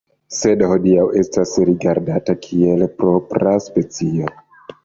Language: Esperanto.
Sed hodiaŭ estas rigardata kiel propra specio.